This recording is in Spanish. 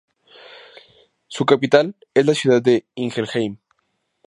Su capital es la ciudad de Ingelheim.